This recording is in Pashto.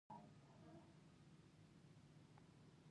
دوکاندار له بد چلند نه ډډه کوي.